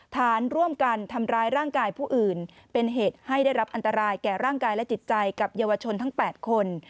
ฐานร่วมกันทำร้ายร่างกายผู้อื่นเป็นเหตุให้ได้รับอันตรายแก่ร่างกายและจิตใจกับเยาวชนทั้ง๘คน